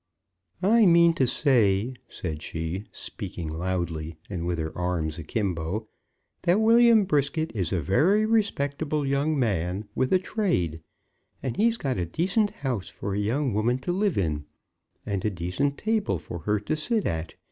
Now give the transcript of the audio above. "I mean to say," said she, speaking loudly, and with her arms akimbo, "that William Brisket is a very respectable young man, with a trade, that he's got a decent house for a young woman to live in, and a decent table for her to sit at.